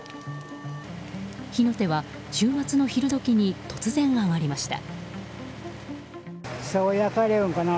火の手は週末の昼時に突然上がりました。